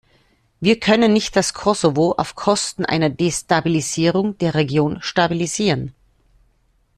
Wir können nicht das Kosovo auf Kosten einer Destabilisierung der Region stabilisieren.